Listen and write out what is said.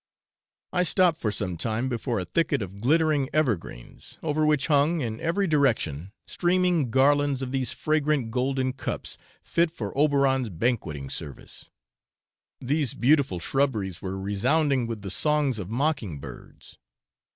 I stopped for some time before a thicket of glittering evergreens, over which hung, in every direction, streaming garlands of these fragrant golden cups, fit for Oberon's banqueting service. These beautiful shrubberies were resounding with the songs of mocking birds.